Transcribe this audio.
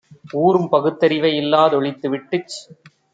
ஊறும் பகுத்தறிவை இல்லா தொழித்துவிட்டுச்